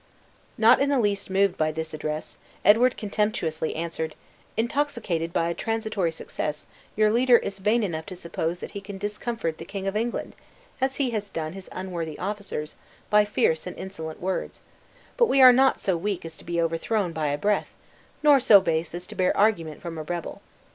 Not in the least moved by this address, Edward contemptuously answered, "Intoxicated by a transitory success, your leader is vain enough to suppose that he can discomfort the King of England, as he has done his unworthy officers, by fierce and insolent words; but we are not so weak as to be overthrown by a breath, nor so base as to bear argument from a rebel.